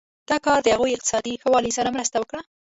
دې کار د هغوی اقتصادي ښه والی سره مرسته وکړه.